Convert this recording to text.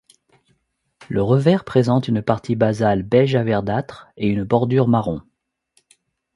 Le revers présente une partie basale beige à verdâtre et une bordure marron.